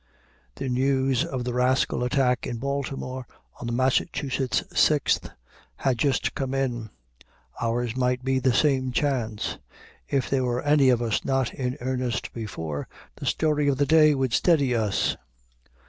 The news of the rascal attack in Baltimore on the Massachusetts Sixth had just come in. Ours might be the same chance. If there were any of us not in earnest before, the story of the day would steady us.